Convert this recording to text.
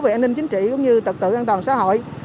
về an ninh chính trị cũng như trật tự an toàn xã hội